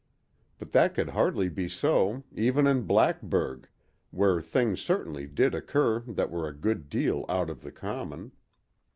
But that could hardly be so, even in Blackburg, where things certainly did occur that were a good deal out of the common.